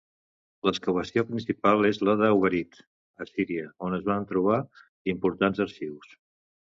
L'excavació principal és la d'Ugarit a Síria on es van trobar importants arxius.